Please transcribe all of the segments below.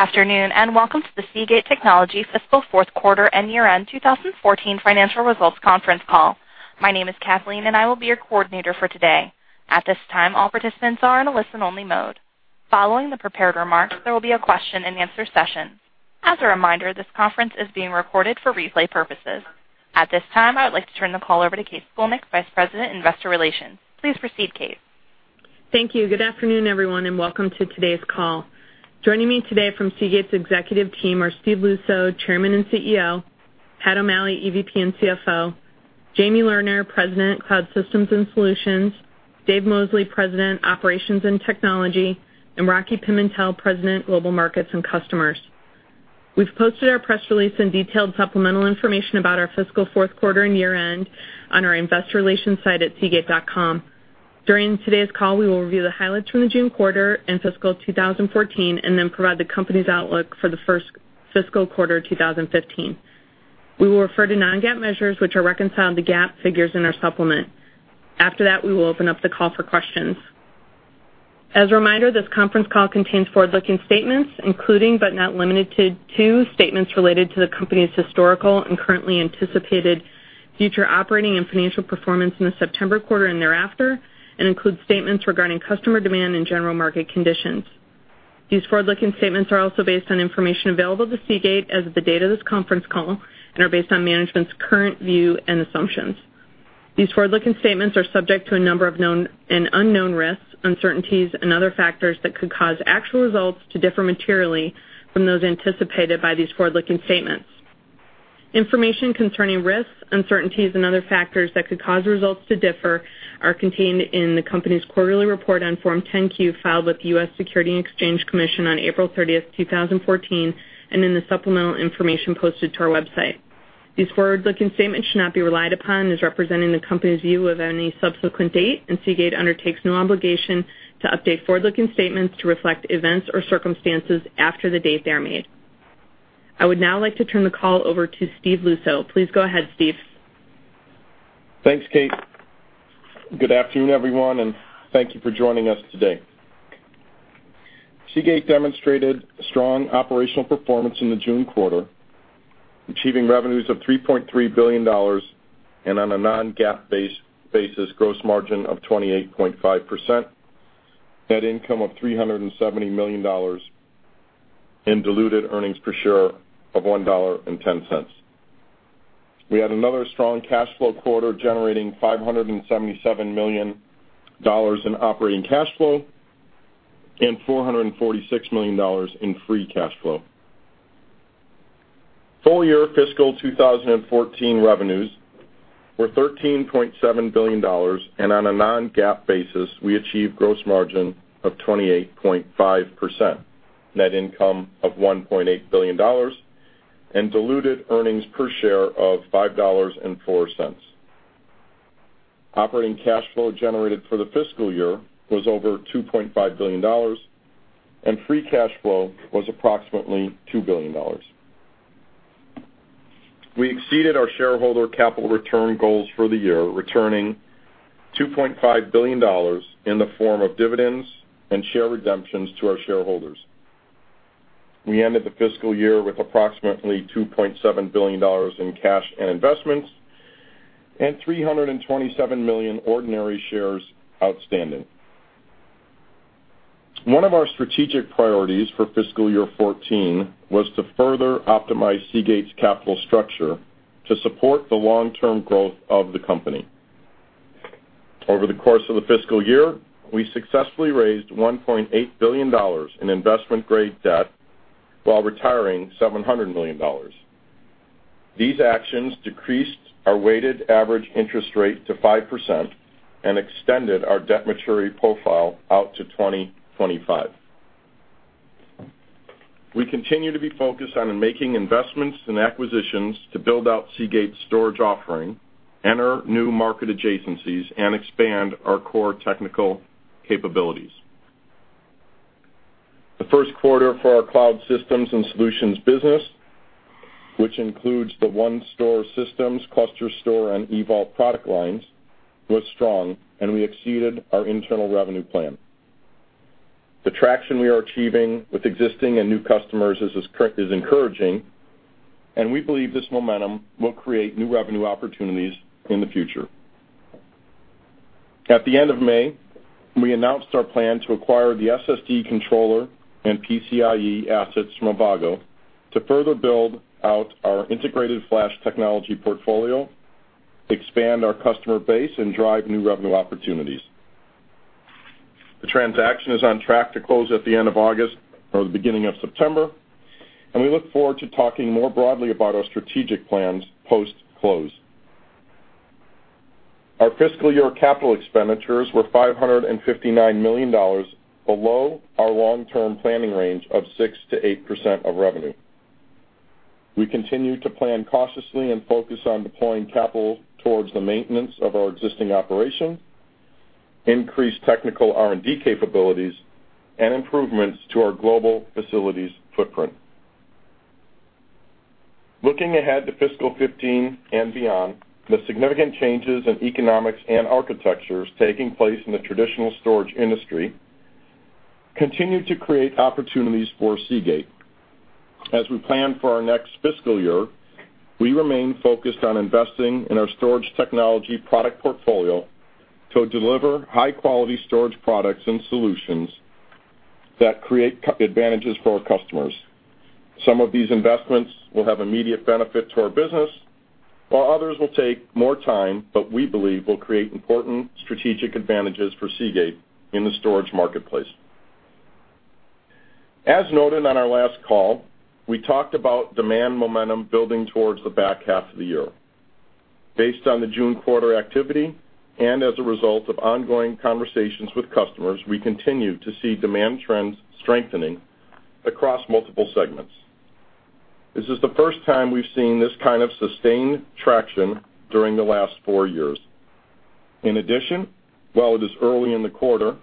Afternoon, welcome to the Seagate Technology fiscal fourth quarter and year-end 2014 financial results conference call. My name is Kathleen, and I will be your coordinator for today. At this time, all participants are in a listen-only mode. Following the prepared remarks, there will be a question-and-answer session. As a reminder, this conference is being recorded for replay purposes. At this time, I would like to turn the call over to Kathryn Scolnick, Vice President, Investor Relations. Please proceed, Kate. Thank you. Good afternoon, everyone, welcome to today's call. Joining me today from Seagate's executive team are Steve Luczo, Chairman and CEO; Patrick O'Malley, EVP and CFO; Jamie Lerner, President, Cloud Systems and Solutions; Dave Mosley, President, Operations and Technology; and Rocky Pimentel, President, Global Markets and Customers. We've posted our press release and detailed supplemental information about our fiscal fourth quarter and year-end on our investor relations site at seagate.com. During today's call, we will review the highlights from the June quarter and fiscal 2014, and then provide the company's outlook for the first fiscal quarter 2015. We will refer to non-GAAP measures, which are reconciled to GAAP figures in our supplement. After that, we will open up the call for questions. As a reminder, this conference call contains forward-looking statements, including, but not limited to, statements related to the company's historical and currently anticipated future operating and financial performance in the September quarter and thereafter and includes statements regarding customer demand and general market conditions. These forward-looking statements are also based on information available to Seagate as of the date of this conference call and are based on management's current view and assumptions. These forward-looking statements are subject to a number of known and unknown risks, uncertainties, and other factors that could cause actual results to differ materially from those anticipated by these forward-looking statements. Information concerning risks, uncertainties, and other factors that could cause results to differ are contained in the company's quarterly report on Form 10-Q filed with the U.S. Securities and Exchange Commission on April 30th, 2014, and in the supplemental information posted to our website. These forward-looking statements should not be relied upon as representing the company's view of any subsequent date, and Seagate undertakes no obligation to update forward-looking statements to reflect events or circumstances after the date they are made. I would now like to turn the call over to Steve Luczo. Please go ahead, Steve. Thanks, Kate. Good afternoon, everyone, and thank you for joining us today. Seagate demonstrated strong operational performance in the June quarter, achieving revenues of $3.3 billion, and on a non-GAAP basis, gross margin of 28.5%, net income of $370 million, and diluted earnings per share of $1.10. We had another strong cash flow quarter, generating $577 million in operating cash flow and $446 million in free cash flow. Full year fiscal 2014 revenues were $13.7 billion, and on a non-GAAP basis, we achieved gross margin of 28.5%, net income of $1.8 billion, and diluted earnings per share of $5.04. Operating cash flow generated for the fiscal year was over $2.5 billion, and free cash flow was approximately $2 billion. We exceeded our shareholder capital return goals for the year, returning $2.5 billion in the form of dividends and share redemptions to our shareholders. We ended the fiscal year with approximately $2.7 billion in cash and investments and 327 million ordinary shares outstanding. One of our strategic priorities for fiscal year 2014 was to further optimize Seagate's capital structure to support the long-term growth of the company. Over the course of the fiscal year, we successfully raised $1.8 billion in investment-grade debt while retiring $700 million. These actions decreased our weighted average interest rate to 5% and extended our debt maturity profile out to 2025. We continue to be focused on making investments and acquisitions to build out Seagate's storage offering, enter new market adjacencies, and expand our core technical capabilities. The first quarter for our cloud systems and solutions business, which includes the OneStor systems, ClusterStor, and EVault product lines, was strong, and we exceeded our internal revenue plan. The traction we are achieving with existing and new customers is encouraging, and we believe this momentum will create new revenue opportunities in the future. At the end of May, we announced our plan to acquire the SSD controller and PCIE assets from Avago to further build out our integrated flash technology portfolio, expand our customer base, and drive new revenue opportunities. The transaction is on track to close at the end of August or the beginning of September, and we look forward to talking more broadly about our strategic plans post-close. Our fiscal year capital expenditures were $559 million below our long-term planning range of 6%-8% of revenue. We continue to plan cautiously and focus on deploying capital towards the maintenance of our existing operations, increase technical R&D capabilities, and improvements to our global facilities footprint. Looking ahead to fiscal 2015 and beyond, the significant changes in economics and architectures taking place in the traditional storage industry continue to create opportunities for Seagate. As we plan for our next fiscal year, we remain focused on investing in our storage technology product portfolio to deliver high-quality storage products and solutions that create advantages for our customers. Some of these investments will have immediate benefit to our business, while others will take more time, but we believe will create important strategic advantages for Seagate in the storage marketplace. As noted on our last call, we talked about demand momentum building towards the back half of the year. Based on the June quarter activity and as a result of ongoing conversations with customers, we continue to see demand trends strengthening across multiple segments. This is the first time we've seen this kind of sustained traction during the last four years. In addition, while it is early in the quarter,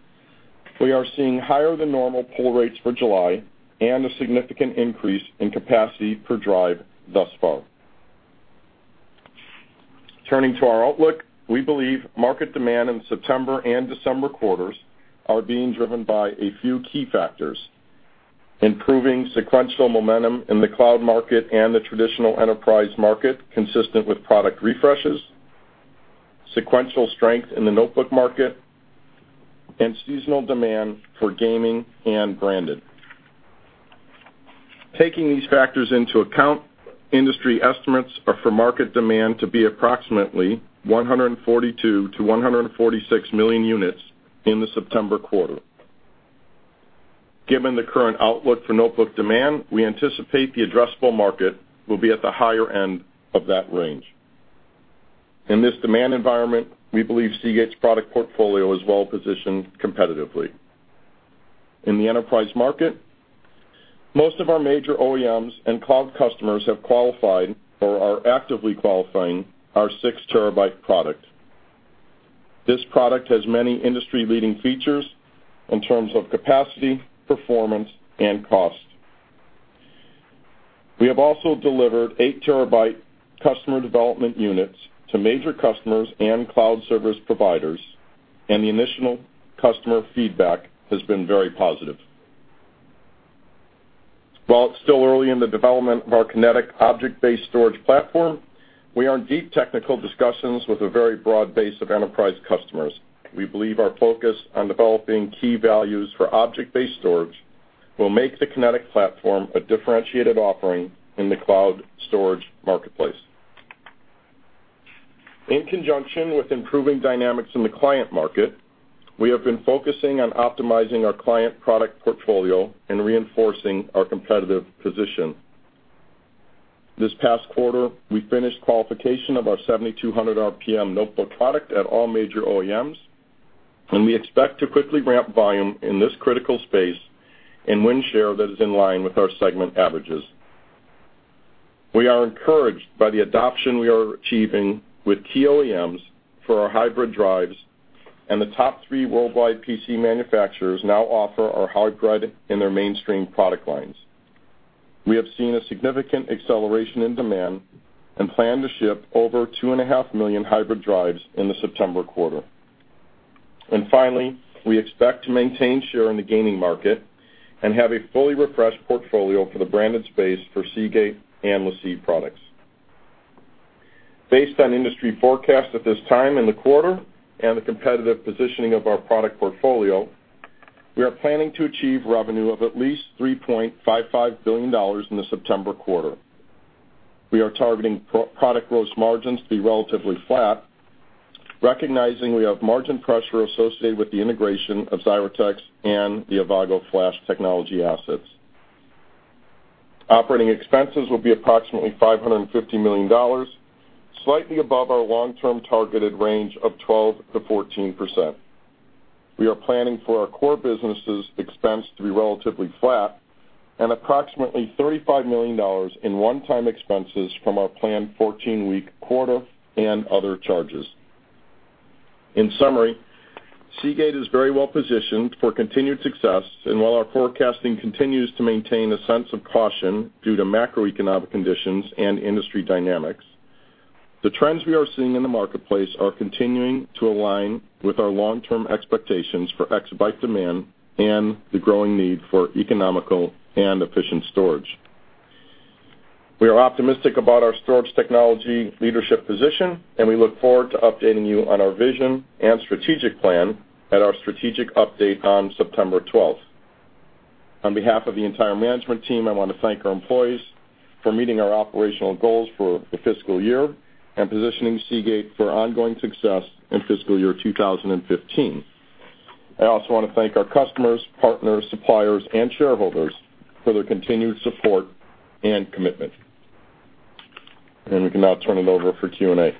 we are seeing higher-than-normal pull rates for July and a significant increase in capacity per drive thus far. Turning to our outlook, we believe market demand in September and December quarters are being driven by a few key factors: improving sequential momentum in the cloud market and the traditional enterprise market consistent with product refreshes, sequential strength in the notebook market, and seasonal demand for gaming and branded. Taking these factors into account, industry estimates are for market demand to be approximately 142 million-146 million units in the September quarter. Given the current outlook for notebook demand, we anticipate the addressable market will be at the higher end of that range. In this demand environment, we believe Seagate's product portfolio is well positioned competitively. In the enterprise market, most of our major OEMs and cloud customers have qualified or are actively qualifying our six-terabyte product. This product has many industry-leading features in terms of capacity, performance, and cost. We have also delivered eight-terabyte customer development units to major customers and cloud service providers, and the initial customer feedback has been very positive. While it's still early in the development of our Kinetic object-based storage platform, we are in deep technical discussions with a very broad base of enterprise customers. We believe our focus on developing key values for object-based storage will make the Kinetic platform a differentiated offering in the cloud storage marketplace. In conjunction with improving dynamics in the client market, we have been focusing on optimizing our client product portfolio and reinforcing our competitive position. This past quarter, we finished qualification of our 7,200 RPM notebook product at all major OEMs, and we expect to quickly ramp volume in this critical space and win share that is in line with our segment averages. We are encouraged by the adoption we are achieving with key OEMs for our hybrid drives, and the top three worldwide PC manufacturers now offer our hard drive in their mainstream product lines. We have seen a significant acceleration in demand and plan to ship over two and a half million hybrid drives in the September quarter. Finally, we expect to maintain share in the gaming market and have a fully refreshed portfolio for the branded space for Seagate and LaCie products. Based on industry forecast at this time in the quarter and the competitive positioning of our product portfolio, we are planning to achieve revenue of at least $3.55 billion in the September quarter. We are targeting product gross margins to be relatively flat, recognizing we have margin pressure associated with the integration of Xyratex and the Avago flash technology assets. Operating expenses will be approximately $550 million, slightly above our long-term targeted range of 12%-14%. We are planning for our core business's expense to be relatively flat and approximately $35 million in one-time expenses from our planned 14-week quarter and other charges. In summary, Seagate is very well positioned for continued success. While our forecasting continues to maintain a sense of caution due to macroeconomic conditions and industry dynamics, the trends we are seeing in the marketplace are continuing to align with our long-term expectations for exabyte demand and the growing need for economical and efficient storage. We are optimistic about our storage technology leadership position, and we look forward to updating you on our vision and strategic plan at our strategic update on September 12th. On behalf of the entire management team, I want to thank our employees for meeting our operational goals for the fiscal year and positioning Seagate for ongoing success in fiscal year 2015. I also want to thank our customers, partners, suppliers, and shareholders for their continued support and commitment. We can now turn it over for Q&A.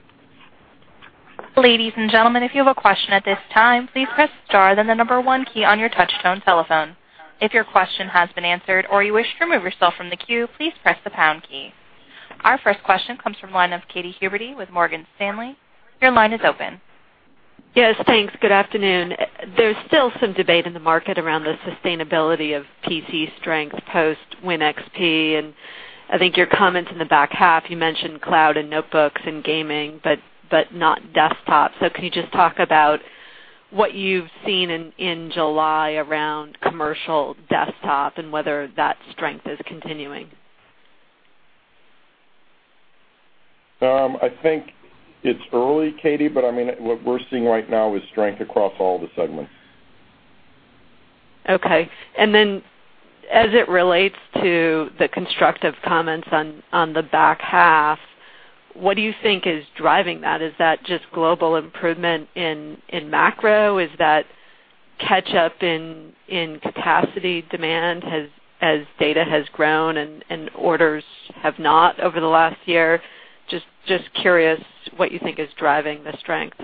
Ladies and gentlemen, if you have a question at this time, please press star, then the number 1 key on your touch-tone telephone. If your question has been answered or you wish to remove yourself from the queue, please press the pound key. Our first question comes from the line of Katy Huberty with Morgan Stanley. Your line is open. Yes, thanks. Good afternoon. There's still some debate in the market around the sustainability of PC strength post-WinXP. I think your comments in the back half, you mentioned cloud and notebooks and gaming, but not desktops. Can you just talk about what you've seen in July around commercial desktop and whether that strength is continuing? I think it's early, Katie, what we're seeing right now is strength across all the segments. Okay. Then as it relates to the constructive comments on the back half, what do you think is driving that? Is that just global improvement in macro? Is that catch-up in capacity demand as data has grown and orders have not over the last year? Just curious what you think is driving the strength.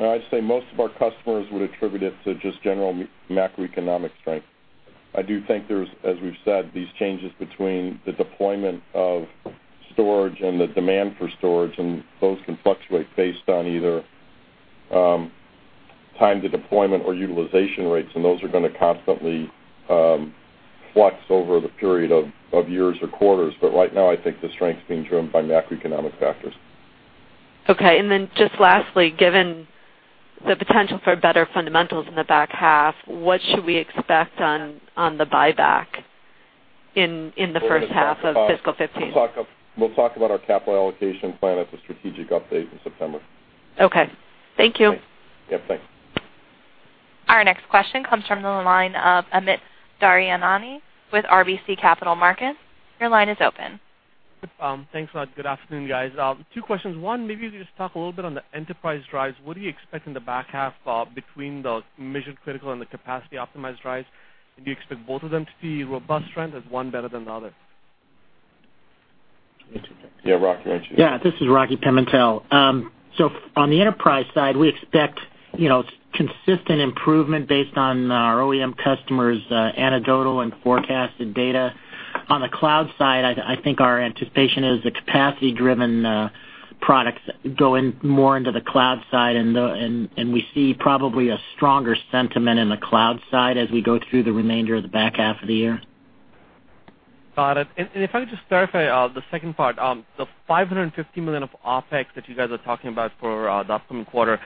I'd say most of our customers would attribute it to just general macroeconomic strength. I do think there's, as we've said, these changes between the deployment of storage and the demand for storage, and those can fluctuate based on either time to deployment or utilization rates, and those are going to constantly flux over the period of years or quarters. Right now, I think the strength is being driven by macroeconomic factors. Okay, then just lastly, given the potential for better fundamentals in the back half, what should we expect on the buyback in the first half of fiscal 2015? We'll talk about our capital allocation plan at the strategic update in September. Okay, thank you. Yeah, thanks. Our next question comes from the line of Amit Daryanani with RBC Capital Markets. Your line is open. Thanks a lot. Good afternoon, guys. Two questions. One, maybe you could just talk a little bit on the enterprise drives. What do you expect in the back half between the measured critical and the capacity-optimized drives? Do you expect both of them to be robust trend as one better than the other? Yeah, Rocky, why don't you? Yeah, this is Rocky Pimentel. On the enterprise side, we expect consistent improvement based on our OEM customers' anecdotal and forecasted data. On the cloud side, I think our anticipation is the capacity-driven products going more into the cloud side, and we see probably a stronger sentiment in the cloud side as we go through the remainder of the back half of the year. Got it. If I could just clarify the second part, the $550 million of OpEx that you guys are talking about for the upcoming quarter,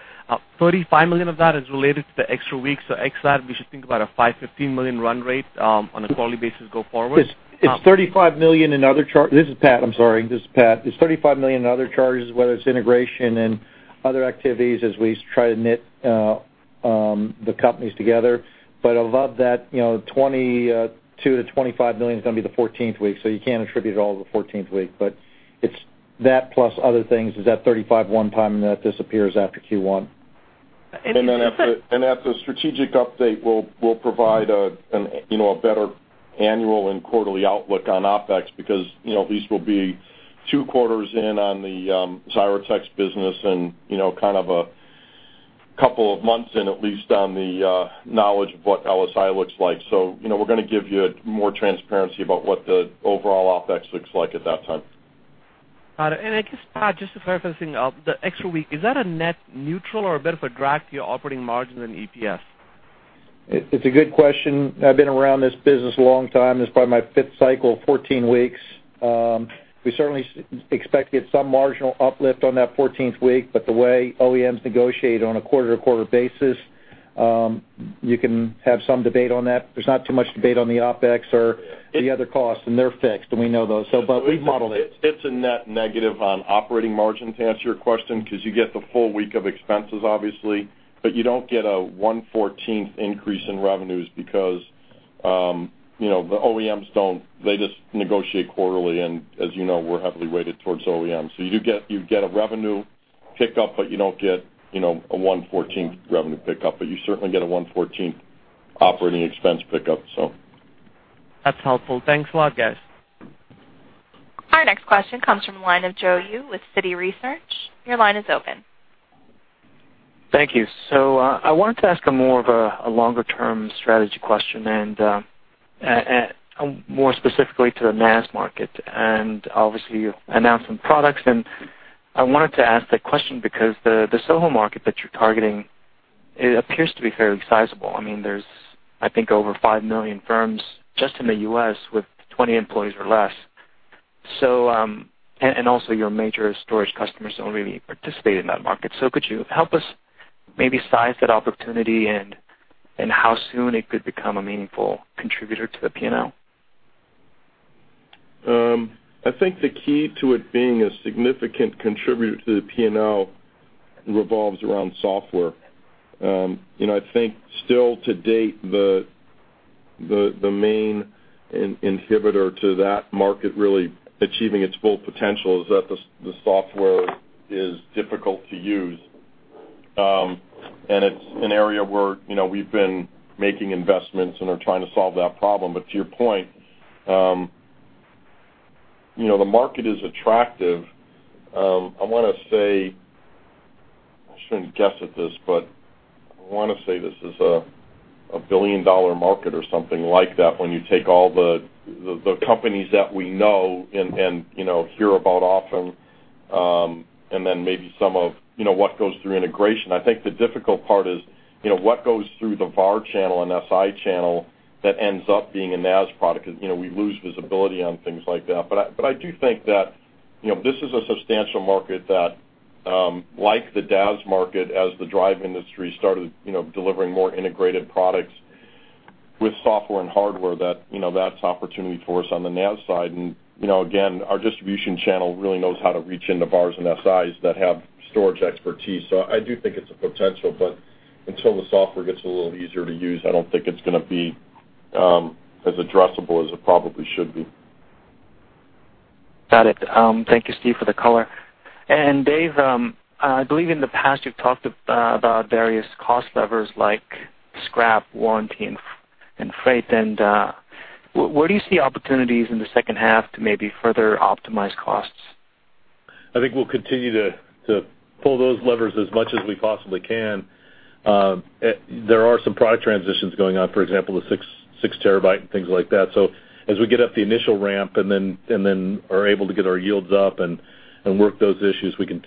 $35 million of that is related to the extra week, so ex that, we should think about a $515 million run rate on a quarterly basis go forward? This is Pat, I'm sorry. This is Pat. It's $35 million in other charges, whether it's integration and other activities as we try to knit the companies together. Above that, $22 million-$25 million is going to be the 14th week, so you can't attribute it all to the 14th week, but it's that plus other things is that $35 one-time, and that disappears after Q1. At the strategic update, we'll provide a better annual and quarterly outlook on OpEx because these will be two quarters in on the Xyratex business and kind of a couple of months in at least on the knowledge of what LSI looks like. We're going to give you more transparency about what the overall OpEx looks like at that time. Got it. I guess, Pat, just to clarify the extra week, is that a net neutral or a bit of a drag to your operating margin and EPS? It's a good question. I've been around this business a long time. This is probably my fifth cycle of 14 weeks. We certainly expect to get some marginal uplift on that 14th week, but the way OEMs negotiate on a quarter-to-quarter basis, you can have some debate on that. There's not too much debate on the OpEx or the other costs, and they're fixed, and we know those, but we've modeled it. It's a net negative on operating margin, to answer your question, because you get the full week of expenses, obviously, but you don't get a one-14th increase in revenues because the OEMs don't. They just negotiate quarterly, and as you know, we're heavily weighted towards OEMs. You get a revenue pickup, but you don't get a one-14th revenue pickup, but you certainly get a one-14th operating expense pickup. That's helpful. Thanks a lot, guys. Our next question comes from the line of Joe Yoo with Citi Research. Your line is open. Thank you. I wanted to ask a more of a longer-term strategy question and more specifically to the NAS market. Obviously, you announced some products, and I wanted to ask that question because the SOHO market that you're targeting, it appears to be fairly sizable. There's I think over 5 million firms just in the U.S. with 20 employees or less. Also, your major storage customers don't really participate in that market. Could you help us maybe size that opportunity and how soon it could become a meaningful contributor to the P&L? I think the key to it being a significant contributor to the P&L revolves around software. I think still to date, the main inhibitor to that market really achieving its full potential is that the software is difficult to use, and it's an area where we've been making investments and are trying to solve that problem. To your point, the market is attractive. I want to say, I shouldn't guess at this. I want to say this is a billion-dollar market or something like that when you take all the companies that we know and hear about often, then maybe some of what goes through integration. I think the difficult part is, what goes through the VAR channel and SI channel that ends up being a NAS product, because we lose visibility on things like that. I do think that this is a substantial market that, like the DAS market, as the drive industry started delivering more integrated products with software and hardware that's opportunity for us on the NAS side. Again, our distribution channel really knows how to reach into VARs and SIs that have storage expertise. I do think it's a potential, but until the software gets a little easier to use, I don't think it's going to be as addressable as it probably should be. Got it. Thank you, Steve, for the color. Dave, I believe in the past you've talked about various cost levers like scrap, warranty, and freight. Where do you see opportunities in the second half to maybe further optimize costs? I think we'll continue to pull those levers as much as we possibly can. There are some product transitions going on, for example, the six terabyte and things like that. As we get up the initial ramp and then are able to get our yields up and work those issues, we can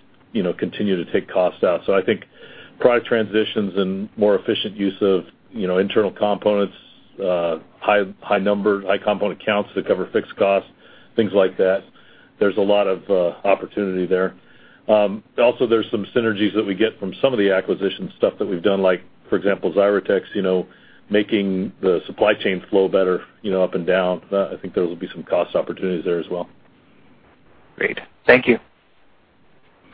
continue to take costs out. I think product transitions and more efficient use of internal components, high component counts that cover fixed costs, things like that. There's a lot of opportunity there. Also, there's some synergies that we get from some of the acquisition stuff that we've done, for example, Xyratex, making the supply chain flow better up and down. I think there will be some cost opportunities there as well. Great. Thank you.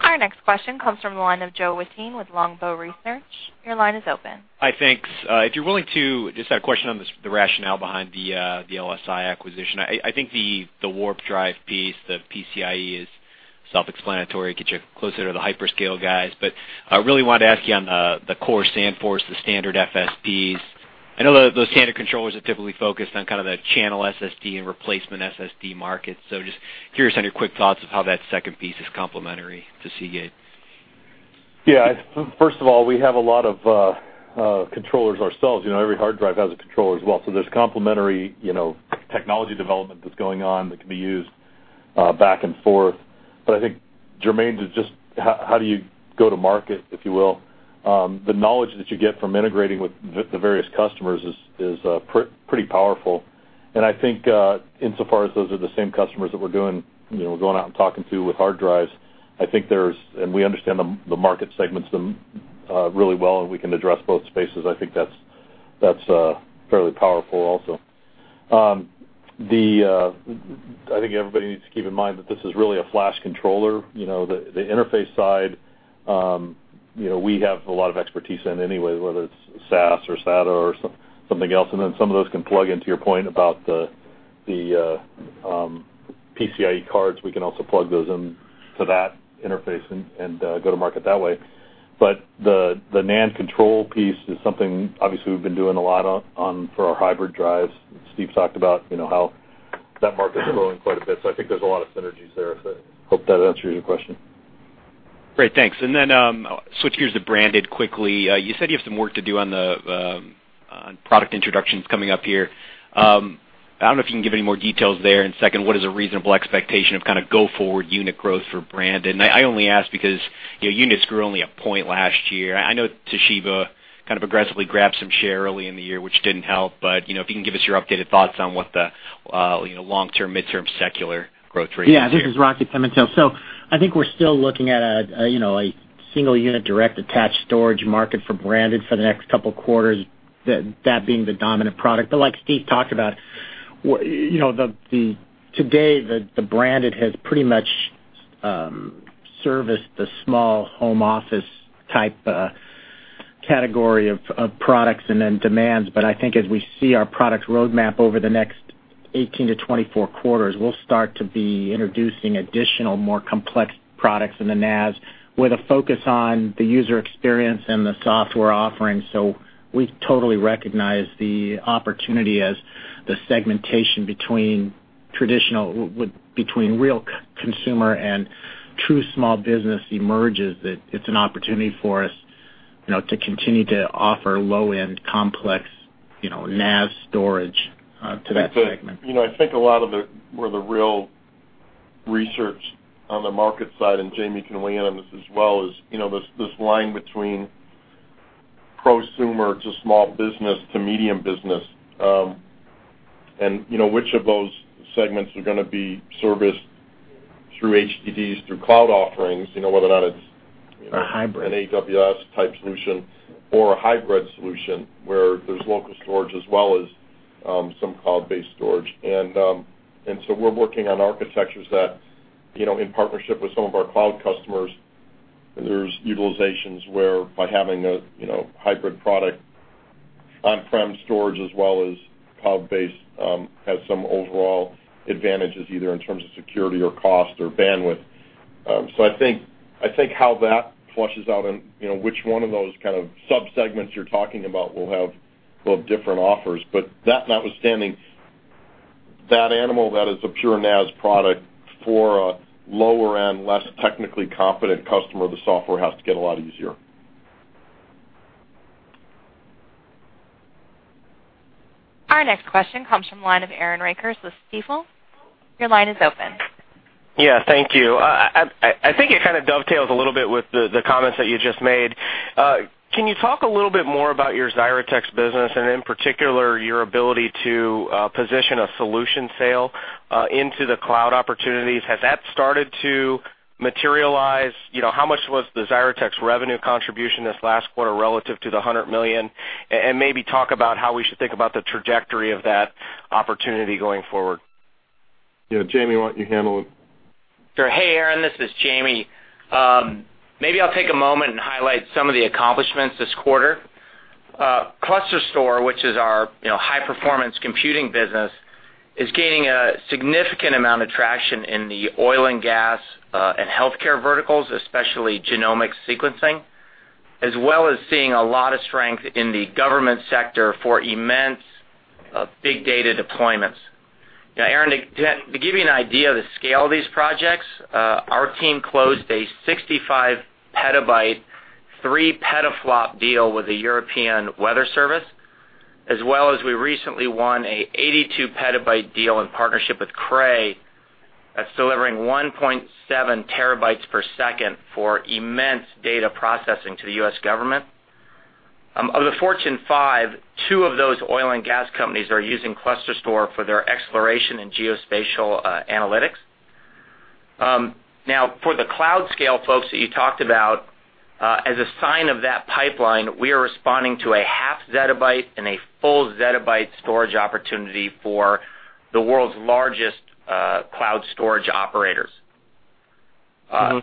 Our next question comes from the line of Joe Wittine with Longbow Research. Your line is open. Hi, thanks. If you're willing to, just a question on the rationale behind the LSI acquisition. I think the warp drive piece, the PCIE is self-explanatory, gets you closer to the hyperscale guys. I really wanted to ask you on the core SandForce, the standard SSPs. I know those standard controllers are typically focused on the channel SSD and replacement SSD markets. Just curious on your quick thoughts of how that second piece is complementary to Seagate. First of all, we have a lot of controllers ourselves. Every hard drive has a controller as well. There's complementary technology development that's going on that can be used back and forth. I think germane to just how do you go to market, if you will. The knowledge that you get from integrating with the various customers is pretty powerful, and I think insofar as those are the same customers that we're going out and talking to with hard drives, and we understand the market segments really well, and we can address both spaces, I think that's fairly powerful also. I think everybody needs to keep in mind that this is really a flash controller. The interface side we have a lot of expertise in anyway, whether it's SAS or SATA or something else, and then some of those can plug into your point about the PCIE cards. We can also plug those into that interface and go to market that way. The NAND control piece is something obviously we've been doing a lot on for our hybrid drives. Steve talked about how that market is growing quite a bit. I think there's a lot of synergies there. I hope that answers your question. Great, thanks. Switch gears to branded quickly. You said you have some work to do on product introductions coming up here. I don't know if you can give any more details there. Second, what is a reasonable expectation of go forward unit growth for branded? I only ask because units grew only a point last year. I know Toshiba kind of aggressively grabbed some share early in the year, which didn't help. If you can give us your updated thoughts on what the long-term, midterm secular growth rate is here. Yeah, this is Rocky Pimentel. I think we're still looking at a single unit direct attached storage market for branded for the next couple of quarters, that being the dominant product. Like Steve talked about, today, the branded has pretty much serviced the SOHO type category of products and then demands. I think as we see our product roadmap over the next 18-24 quarters, we'll start to be introducing additional, more complex products in the NAS with a focus on the user experience and the software offerings. We totally recognize the opportunity as the segmentation between real consumer and true small business emerges, that it's an opportunity for us to continue to offer low-end complex NAS storage to that segment. I think a lot of it where the real research on the market side, Jamie can weigh in on this as well, is this line between prosumer to small business to medium business, and which of those segments are going to be serviced through HDDs, through cloud offerings, whether or not it's- Hybrid an AWS type solution or a hybrid solution where there's local storage as well as some cloud-based storage. We're working on architectures that in partnership with some of our cloud customers, there's utilizations where by having a hybrid product on-prem storage as well as cloud-based has some overall advantages, either in terms of security or cost or bandwidth. I think how that flushes out and which one of those kind of sub-segments you're talking about will have different offers. That notwithstanding That animal that is a pure NAS product for a lower-end, less technically competent customer, the software has to get a lot easier. Our next question comes from the line of Aaron Rakers with Stifel. Your line is open. Yeah, thank you. I think it kind of dovetails a little bit with the comments that you just made. Can you talk a little bit more about your Xyratex business and, in particular, your ability to position a solution sale into the cloud opportunities? Has that started to materialize? How much was the Xyratex revenue contribution this last quarter relative to the $100 million? Maybe talk about how we should think about the trajectory of that opportunity going forward. Yeah. Jamie, why don't you handle it? Sure. Hey, Aaron, this is Jamie. Maybe I'll take a moment and highlight some of the accomplishments this quarter. ClusterStor, which is our high-performance computing business, is gaining a significant amount of traction in the oil and gas, and healthcare verticals, especially genomic sequencing, as well as seeing a lot of strength in the government sector for immense big data deployments. Aaron, to give you an idea of the scale of these projects, our team closed a 65 petabyte, 3 petaflop deal with the European Weather Service, as well as we recently won an 82 petabyte deal in partnership with Cray, that's delivering 1.7 terabytes per second for immense data processing to the U.S. government. Of the Fortune 500, two of those oil and gas companies are using ClusterStor for their exploration and geospatial analytics. For the cloud scale folks that you talked about, as a sign of that pipeline, we are responding to a half zettabyte and a full zettabyte storage opportunity for the world's largest cloud storage operators. A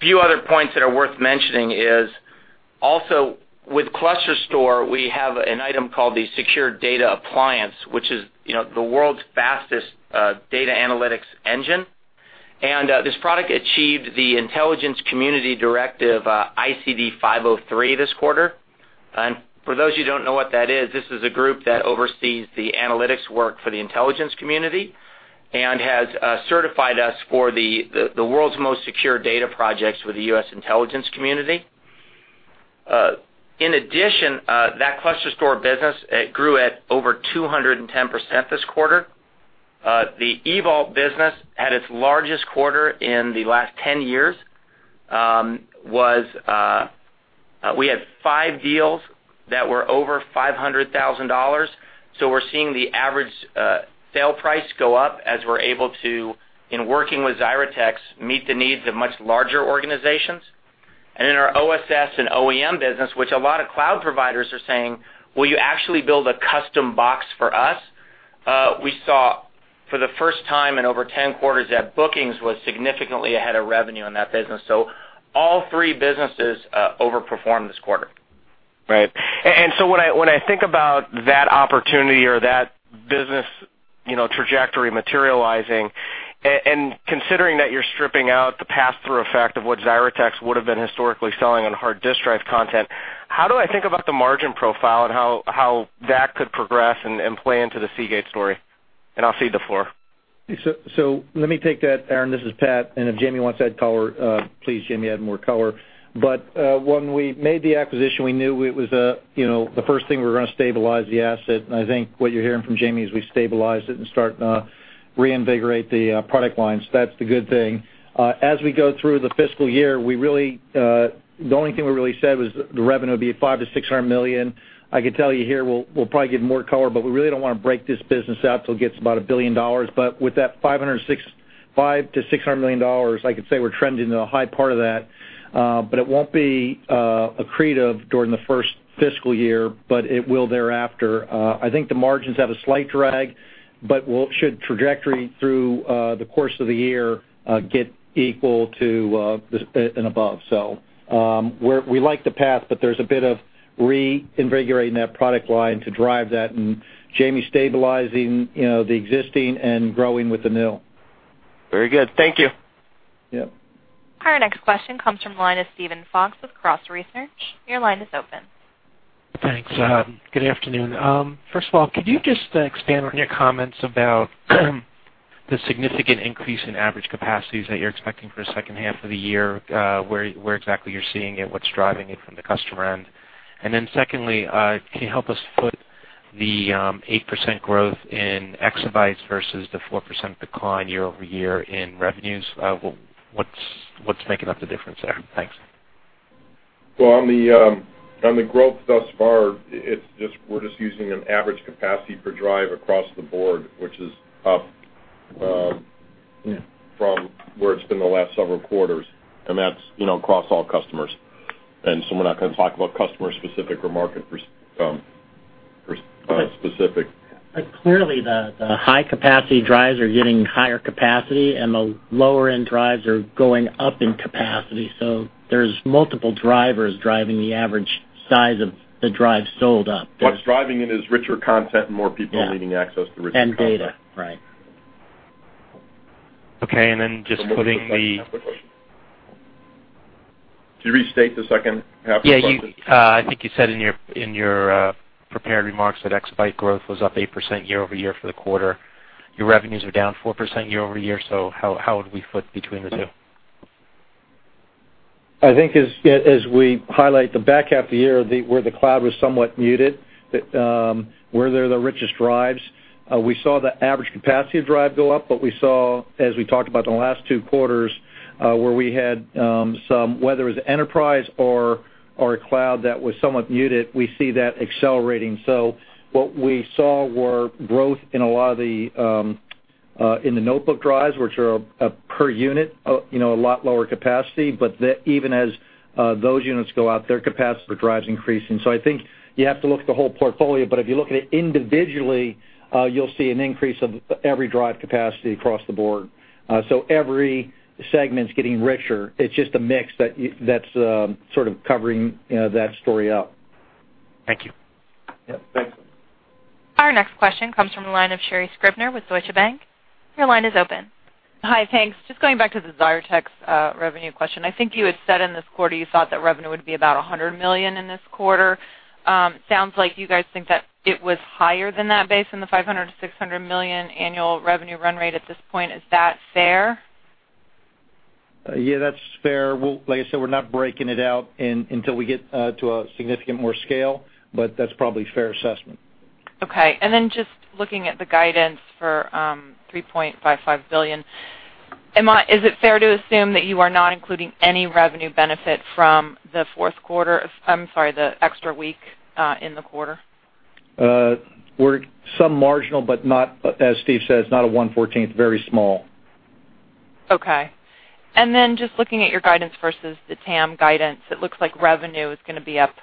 few other points that are worth mentioning is also with ClusterStor, we have an item called the Secure Data Appliance, which is the world's fastest data analytics engine. This product achieved the intelligence community directive, ICD 503 this quarter. For those who don't know what that is, this is a group that oversees the analytics work for the intelligence community and has certified us for the world's most secure data projects with the U.S. intelligence community. In addition, that ClusterStor business grew at over 210% this quarter. The EVault business had its largest quarter in the last 10 years. We had five deals that were over $500,000. We're seeing the ASP go up as we're able to, in working with Xyratex, meet the needs of much larger organizations. In our OSS and OEM business, which a lot of cloud providers are saying, "Will you actually build a custom box for us?" We saw for the first time in over 10 quarters that bookings was significantly ahead of revenue in that business. All three businesses overperformed this quarter. Right. When I think about that opportunity or that business trajectory materializing, considering that you're stripping out the pass-through effect of what Xyratex would've been historically selling on hard disk drive content, how do I think about the margin profile and how that could progress and play into the Seagate story? I'll cede the floor. Let me take that, Aaron. This is Pat, and if Jamie wants to add color, please, Jamie, add more color. When we made the acquisition, we knew the first thing we were going to stabilize the asset, and I think what you're hearing from Jamie is we've stabilized it and start to reinvigorate the product line. That's the good thing. As we go through the fiscal year, the only thing we really said was the revenue would be $500 million-$600 million. I could tell you here, we'll probably give more color, but we really don't want to break this business out till it gets about $1 billion. With that $500 million-$600 million, I could say we're trending to the high part of that. It won't be accretive during the first fiscal year, but it will thereafter. I think the margins have a slight drag, should trajectory through the course of the year get equal to and above. We like the path, there's a bit of reinvigorating that product line to drive that, and Jamie stabilizing the existing and growing with the new. Very good. Thank you. Yep. Our next question comes from the line of Steven Fox with Cross Research. Your line is open. Thanks. Good afternoon. First of all, could you just expand on your comments about the significant increase in average capacities that you're expecting for the second half of the year, where exactly you're seeing it, what's driving it from the customer end? Secondly, can you help us put the 8% growth in exabytes versus the 4% decline year-over-year in revenues? What's making up the difference there? Thanks. On the growth thus far, we're just using an average capacity per drive across the board, which is up from where it's been the last several quarters, and that's across all customers. We're not going to talk about customer-specific or market-specific. Clearly, the high-capacity drives are getting higher capacity, and the lower-end drives are going up in capacity. There's multiple drivers driving the average size of the drive sold up. What's driving it is richer content and more people needing access to richer content. Data. Right. Okay. Can you restate the second half of the question? Yeah, I think you said in your prepared remarks that exabyte growth was up 8% year-over-year for the quarter. Your revenues are down 4% year-over-year, how would we foot between the two? I think as we highlight the back half of the year, where the cloud was somewhat muted, where there are the richest drives, we saw the average capacity of drive go up. We saw, as we talked about in the last two quarters, where we had some, whether it was enterprise or a cloud that was somewhat muted, we see that accelerating. What we saw were growth in the notebook drives, which are per unit, a lot lower capacity, even as those units go out, their capacity for drive's increasing. I think you have to look at the whole portfolio, if you look at it individually, you'll see an increase of every drive capacity across the board. Every segment's getting richer. It's just a mix that's sort of covering that story up. Thank you. Yep. Thanks. Our next question comes from the line of Sherri Scribner with Deutsche Bank. Your line is open. Hi, thanks. Just going back to the Xyratex revenue question. I think you had said in this quarter you thought that revenue would be about $100 million in this quarter. Sounds like you guys think that it was higher than that, based on the $500 million-$600 million annual revenue run rate at this point. Is that fair? Yeah, that's fair. Like I said, we're not breaking it out until we get to a significant more scale, but that's probably a fair assessment. Okay. Just looking at the guidance for $3.55 billion, is it fair to assume that you are not including any revenue benefit from the extra week in the quarter? Some marginal, but as Steve says, not a one fourteenth, very small. Then just looking at your guidance versus the TAM guidance, it looks like revenue is going to be up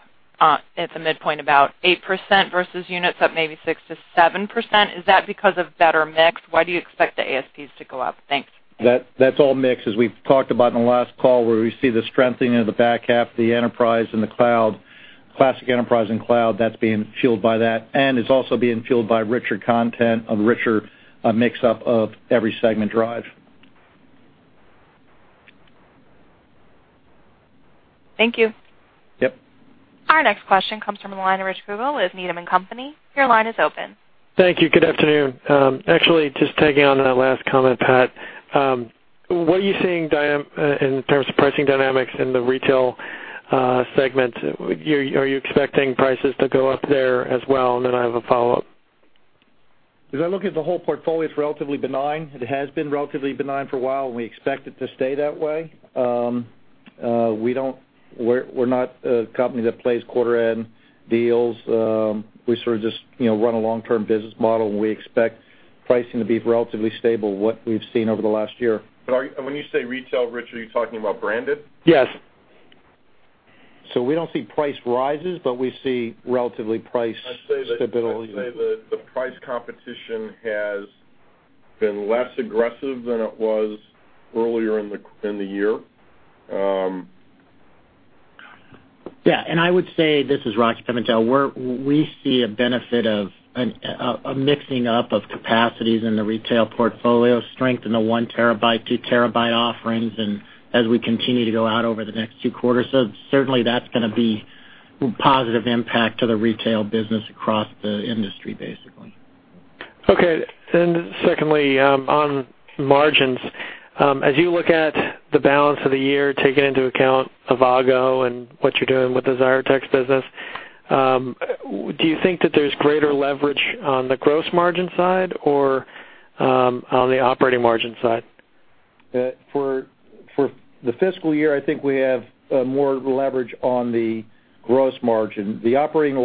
at the midpoint about 8% versus units up maybe 6%-7%. Is that because of better mix? Why do you expect the ASPs to go up? Thanks. That's all mix, as we've talked about in the last call, where we see the strengthening of the back half of the enterprise and the cloud, classic enterprise and cloud, that's being fueled by that, and is also being fueled by richer content, a richer mix-up of every segment drive. Thank you. Yep. Our next question comes from the line of Rich Kugele with Needham & Company. Your line is open. Thank you. Good afternoon. Actually, just tagging on to that last comment, Pat. What are you seeing in terms of pricing dynamics in the retail segment? Are you expecting prices to go up there as well? Then I have a follow-up. As I look at the whole portfolio, it's relatively benign. It has been relatively benign for a while, and we expect it to stay that way. We're not a company that plays quarter-end deals. We sort of just run a long-term business model, and we expect pricing to be relatively stable, what we've seen over the last year. When you say retail, Rich, are you talking about branded? Yes. we don't see price rises, but we see relatively price stability. I'd say the price competition has been less aggressive than it was earlier in the year. Yeah. I would say, this is Rocky Pimentel, we see a benefit of a mixing up of capacities in the retail portfolio, strength in the one terabyte, two terabyte offerings, as we continue to go out over the next two quarters, certainly that's going to be a positive impact to the retail business across the industry, basically. Okay. Secondly, on margins, as you look at the balance of the year, taking into account Avago and what you're doing with the Xyratex business, do you think that there's greater leverage on the gross margin side or on the operating margin side? For the fiscal year, I think we have more leverage on the gross margin. The operating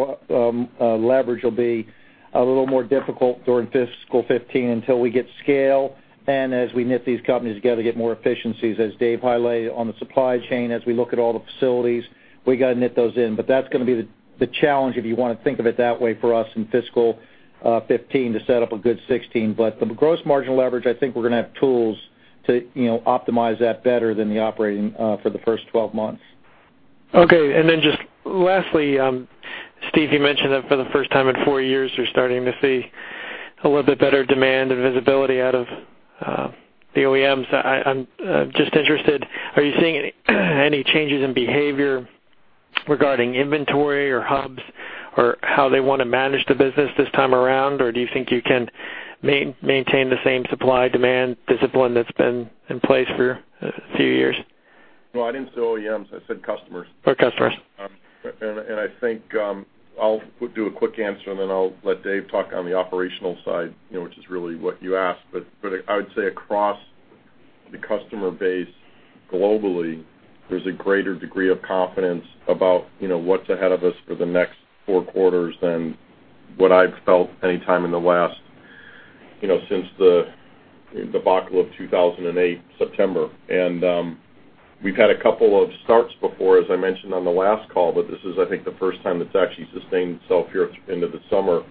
leverage will be a little more difficult during fiscal 2015 until we get scale, and as we knit these companies together to get more efficiencies, as Dave highlighted on the supply chain, as we look at all the facilities, we got to knit those in. That's going to be the challenge, if you want to think of it that way, for us in fiscal 2015 to set up a good 2016. The gross margin leverage, I think we're going to have tools to optimize that better than the operating for the first 12 months. Okay. Just lastly, Steve, you mentioned that for the first time in four years, you're starting to see a little bit better demand and visibility out of the OEMs. I'm just interested, are you seeing any changes in behavior regarding inventory or hubs or how they want to manage the business this time around? Do you think you can maintain the same supply-demand discipline that's been in place for a few years? No, I didn't say OEMs, I said customers. Oh, customers. I think I'll do a quick answer. I'll let Dave talk on the operational side, which is really what you asked. I would say across the customer base globally, there's a greater degree of confidence about what's ahead of us for the next 4 quarters than what I've felt any time in the last, since the debacle of September 2008. We've had a couple of starts before, as I mentioned on the last call, but this is, I think, the first time it's actually sustained itself here into the summer.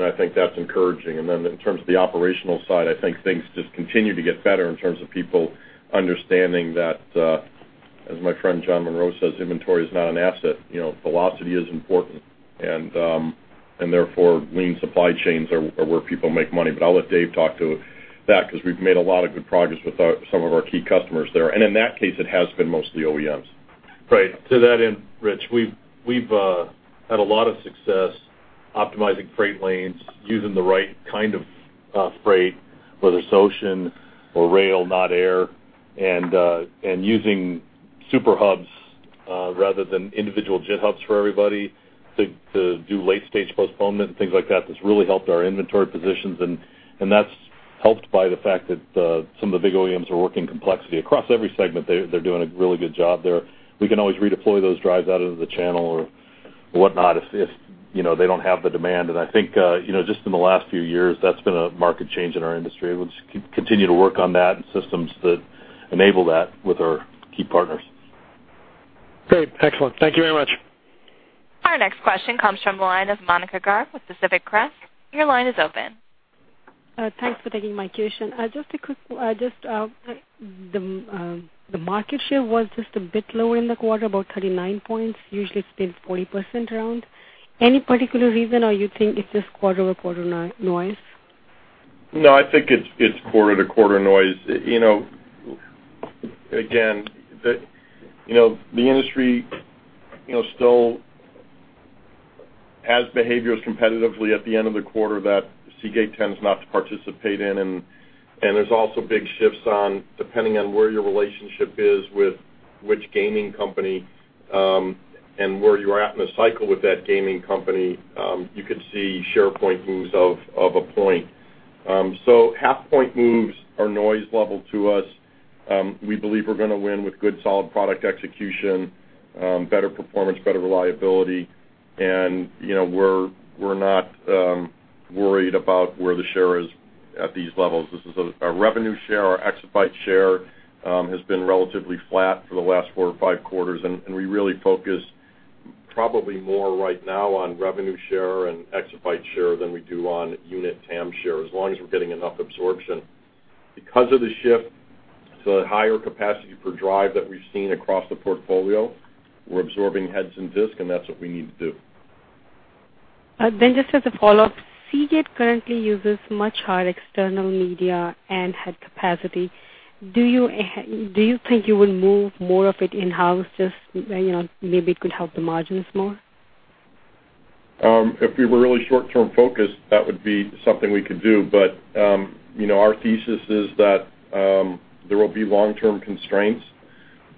I think that's encouraging. In terms of the operational side, I think things just continue to get better in terms of people understanding that as my friend John Munro says, "Inventory is not an asset." Velocity is important, and therefore lean supply chains are where people make money. I'll let Dave talk to that because we've made a lot of good progress with some of our key customers there. In that case, it has been mostly OEMs. Right. To that end, Rich, we've had a lot of success optimizing freight lanes using the right kind of freight, whether it's ocean or rail, not air, and using super hubs rather than individual JIT hubs for everybody to do late-stage postponement and things like that. That's really helped our inventory positions. That's helped by the fact that some of the big OEMs are working complexity. Across every segment, they're doing a really good job there. We can always redeploy those drives out into the channel or whatnot if they don't have the demand. I think just in the last few years, that's been a market change in our industry. We'll just continue to work on that and systems that enable that with our key partners. Great. Excellent. Thank you very much. Our next question comes from the line of Monica Garg with Pacific Crest. Your line is open. Thanks for taking my question. Just a quick one. The market share was just a bit lower in the quarter, about 39 points. Usually it's been 40% around. Any particular reason, or you think it's just quarter-over-quarter noise? No, I think it's quarter-to-quarter noise. Again, the industry still has behaviors competitively at the end of the quarter that Seagate tends not to participate in. There's also big shifts depending on where your relationship is with which gaming company, and where you're at in the cycle with that gaming company, you could see share point moves of a point. Half-point moves are noise level to us. We believe we're going to win with good solid product execution, better performance, better reliability, and we're not worried about where the share is at these levels. This is our revenue share, our exabyte share has been relatively flat for the last four or five quarters, and we really focus probably more right now on revenue share and exabyte share than we do on unit TAM share, as long as we're getting enough absorption. Because of the shift to the higher capacity per drive that we've seen across the portfolio, we're absorbing heads and disk, and that's what we need to do. Just as a follow-up, Seagate currently uses much higher external media and head capacity. Do you think you will move more of it in-house, just maybe it could help the margins more? If we were really short-term focused, that would be something we could do. Our thesis is that there will be long-term constraints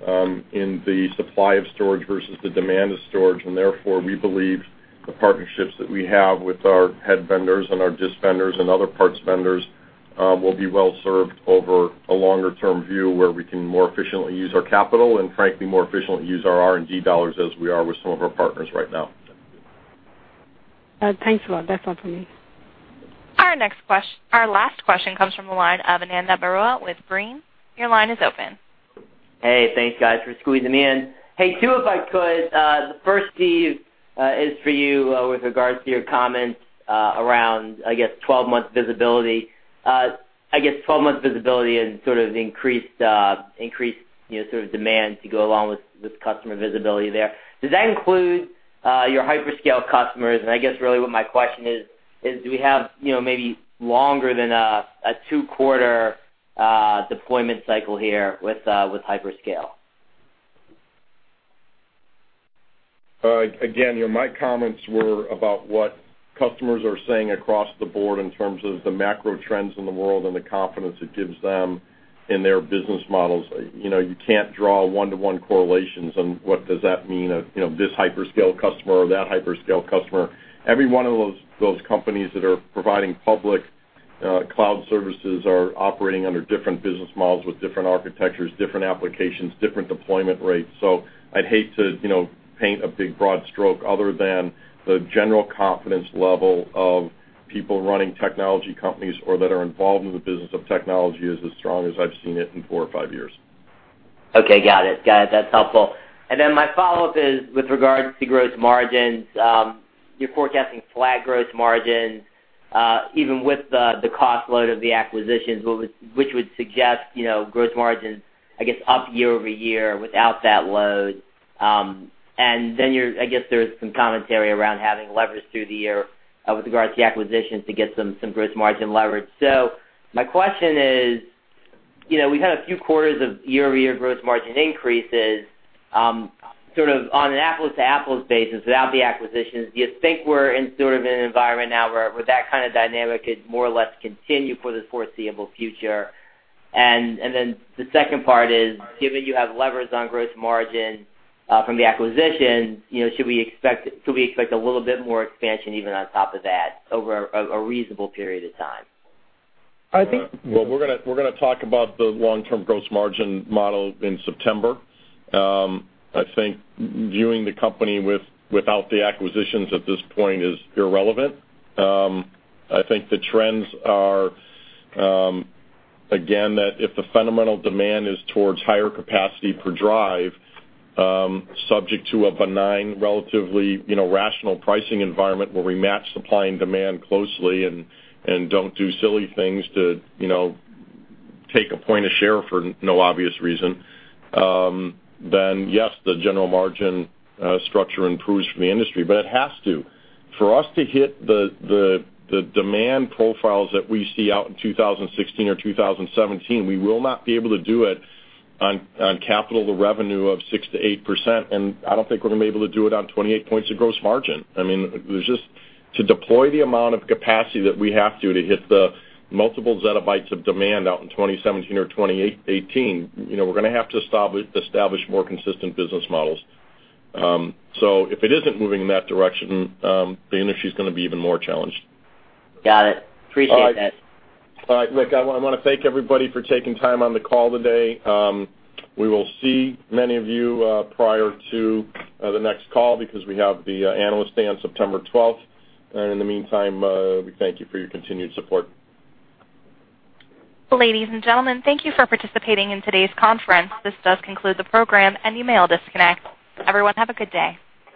in the supply of storage versus the demand of storage, and therefore, we believe the partnerships that we have with our head vendors and our disk vendors and other parts vendors will be well-served over a longer-term view where we can more efficiently use our capital and frankly, more efficiently use our R&D dollars as we are with some of our partners right now. Thanks a lot. That's all for me. Our last question comes from the line of Ananda Baruah with Brean Capital. Your line is open. Hey, thanks guys for squeezing me in. Hey, two if I could. The first, Steve, is for you with regards to your comments around, I guess, 12 months visibility and sort of increased demand to go along with the customer visibility there. Does that include your hyperscale customers? I guess really what my question is, do we have maybe longer than a two-quarter deployment cycle here with hyperscale? Again, my comments were about what customers are saying across the board in terms of the macro trends in the world and the confidence it gives them in their business models. You can't draw one-to-one correlations on what does that mean, this hyperscale customer or that hyperscale customer. Every one of those companies that are providing public cloud services are operating under different business models with different architectures, different applications, different deployment rates. I'd hate to paint a big broad stroke other than the general confidence level of people running technology companies or that are involved in the business of technology is as strong as I've seen it in four or five years. Okay, got it. That's helpful. My follow-up is with regards to growth margins. You're forecasting flat growth margin, even with the cost load of the acquisitions, which would suggest growth margins, I guess, up year-over-year without that load. I guess there's some commentary around having leverage through the year with regards to acquisitions to get some growth margin leverage. My question is, we've had a few quarters of year-over-year growth margin increases, sort of on an apples-to-apples basis without the acquisitions. Do you think we're in sort of an environment now where that kind of dynamic could more or less continue for the foreseeable future? The second part is, given you have leverage on growth margin from the acquisition, should we expect a little bit more expansion even on top of that over a reasonable period of time? Well, we're going to talk about the long-term gross margin model in September. I think viewing the company without the acquisitions at this point is irrelevant. I think the trends are, again, that if the fundamental demand is towards higher capacity per drive, subject to a benign, relatively rational pricing environment where we match supply and demand closely and don't do silly things to take a point of share for no obvious reason, then yes, the general margin structure improves for the industry, but it has to. For us to hit the demand profiles that we see out in 2016 or 2017, we will not be able to do it on capital to revenue of 6%-8%, and I don't think we're going to be able to do it on 28 points of gross margin. I mean, to deploy the amount of capacity that we have to hit the multiple zettabytes of demand out in 2017 or 2018, we're going to have to establish more consistent business models. If it isn't moving in that direction, the industry is going to be even more challenged. Got it. Appreciate that. All right, Rick, I want to thank everybody for taking time on the call today. We will see many of you prior to the next call because we have the Analyst Day on September 12th. In the meantime, we thank you for your continued support. Ladies and gentlemen, thank you for participating in today's conference. This does conclude the program, and you may all disconnect. Everyone, have a good day.